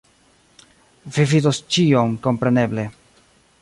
Vi vidos ĉion, kompreneble